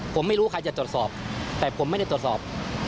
ผมไม่รู้ใครจะจดสอบผมไม่ได้ตอบสอบ